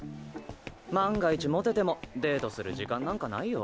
万が一モテてもデートする時間なんかないよ。